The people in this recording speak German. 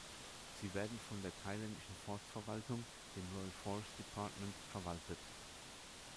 Sie werden von der thailändischen Forstverwaltung, dem "Royal Forest Department", verwaltet.